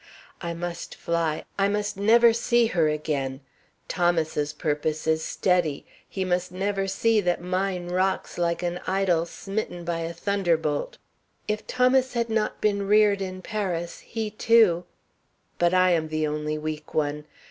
I must fly. I must never see her again. Thomas's purpose is steady. He must never see that mine rocks like an idol smitten by a thunderbolt. "If Thomas had not been reared in Paris, he too But I am the only weak one.